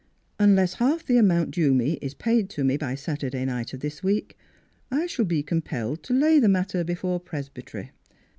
Unless half the amount due me is paid to me by Saturday night of this week, I shall be compelled to lay the matter before Presbytery.